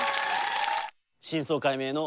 真相解明の。